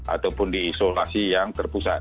ataupun di isolasi yang terpusat